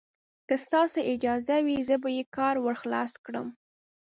که ستاسې اجازه وي، زه به یې کار ور خلاص کړم.